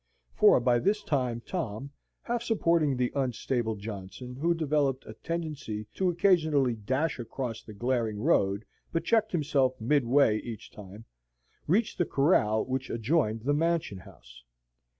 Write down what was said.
For by this time Tom, half supporting the unstable Johnson, who developed a tendency to occasionally dash across the glaring road, but checked himself mid way each time, reached the corral which adjoined the Mansion House.